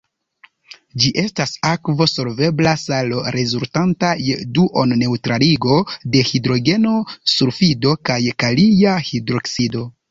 Ĝi estas akvo-solvebla salo rezultanta je duon-neŭtraligo de hidrogena sulfido kaj kalia hidroksido.